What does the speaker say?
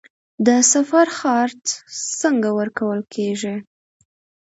د سفر خرڅ څنګه ورکول کیږي؟